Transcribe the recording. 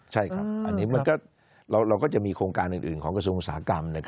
ใช่ครับอันนี้เราก็จะมีโครงการอื่นของกระทรวงอุตสาหกรรม